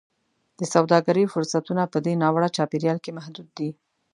د سوداګرۍ فرصتونه په دې ناوړه چاپېریال کې محدود دي.